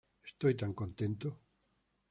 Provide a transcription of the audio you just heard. Estoy tan contento!